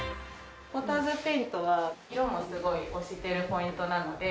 ポーターズペイントは色もすごい推してるポイントなので。